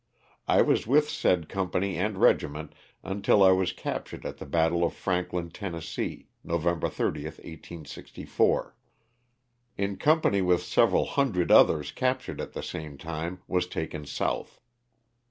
I was with said company and regi ment until I was captured at the battle of Franklin, Tenn., November 30, 1864. In company with several hundred others captured at the same time was taken south.